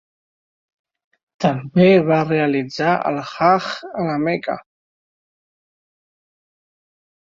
També va realitzar el Hajj a la Mecca.